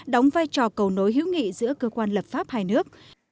đóng vai trò cầu nối hữu nghị giữa cơ quan lập pháp hai nước